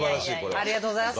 ありがとうございます。